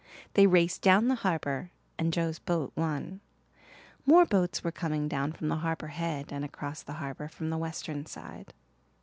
They raced down the harbour and Joe's boat won. More boats were coming down from the Harbour Head and across the harbour from the western side.